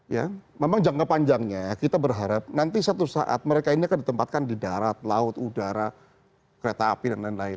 ya memang jangka panjangnya kita berharap nanti satu saat mereka ini akan ditempatkan di darat laut udara kereta api dan lain lain